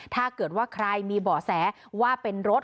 ถ้าเกิดว่าใครมีเบาะแสว่าเป็นรถ